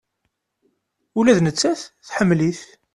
Ula d nettat, tḥemmel-it.